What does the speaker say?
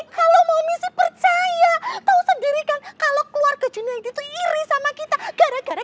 kalau mau misi percaya kau sendiri kan kalau keluarga gini itu iri sama kita gara gara